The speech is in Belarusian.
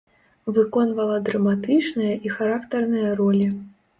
Выконвала драматычныя і характарныя ролі.